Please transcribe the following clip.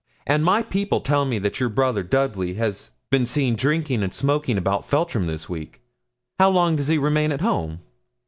And my people tell me that your brother Dudley has been seen drinking and smoking about Feltram this week. How long does he remain at home?